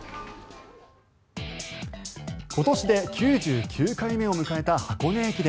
今年で９９回目を迎えた箱根駅伝。